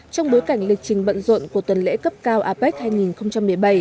trong bối cảnh lịch trình bận rộn của tuần lễ cấp cao apec hai nghìn một mươi bảy